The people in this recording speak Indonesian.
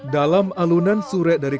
saya mau cintain begini